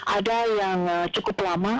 ada yang cukup lama